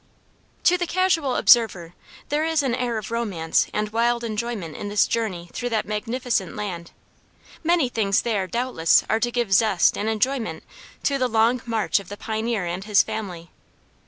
To the casual observer there is an air of romance and wild enjoyment in this journey through that magnificent land. Many things there doubtless are to give zest and enjoyment to the long march of the pioneer and his family.